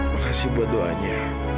makasih buat doanya